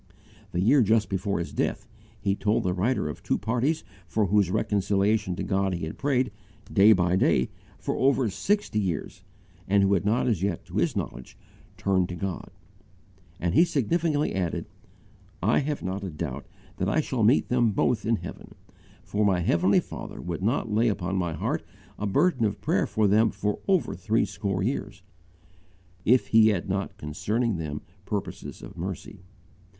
The year just before his death, he told the writer of two parties for whose reconciliation to God he had prayed, day by day, for over sixty years, and who had not as yet to his knowledge turned unto God: and he significantly added, "I have not a doubt that I shall meet them both in heaven; for my Heavenly Father would not lay upon my heart a burden of prayer for them for over threescore years, if He had not concerning them purposes of mercy."